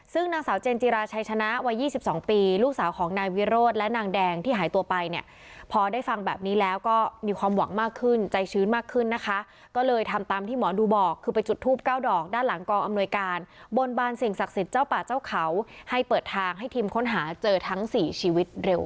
ซึ่งนางสาวเจนจิราชัยชนะวัย๒๒ปีลูกสาวของนายวิโรธและนางแดงที่หายตัวไปเนี่ยพอได้ฟังแบบนี้แล้วก็มีความหวังมากขึ้นใจชื้นมากขึ้นนะคะก็เลยทำตามที่หมอดูบอกคือไปจุดทูปเก้าดอกด้านหลังกองอำนวยการบนบานสิ่งศักดิ์สิทธิ์เจ้าป่าเจ้าเขาให้เปิดทางให้ทีมค้นหาเจอทั้งสี่ชีวิตเร็ว